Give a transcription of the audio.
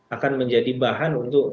akan menjadi bahan untuk